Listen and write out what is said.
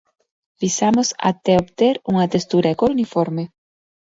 Pisamos até obter unha textura e cor uniforme.